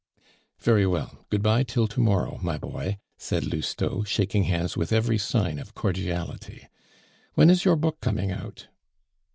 "Very well good bye till to morrow, my boy," said Lousteau, shaking hands with every sign of cordiality. "When is your book coming out?"